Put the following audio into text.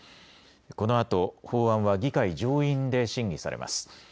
このあと法案は議会上院で審議されます。